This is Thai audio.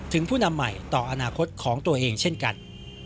ผู้นำใหม่ต่ออนาคตของตัวเองเช่นกัน